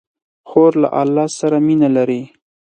خور له الله سره مینه لري.